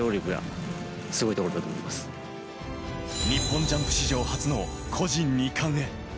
日本ジャンプ史上初の個人２冠へ。